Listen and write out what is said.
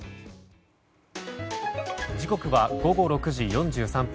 時刻は午後６時４３分。